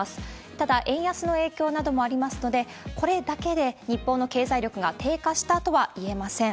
ただ、円安の影響などもありますので、これだけで日本の経済力が低下したとはいえません。